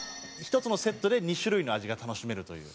１つのセットで２種類の味が楽しめるという。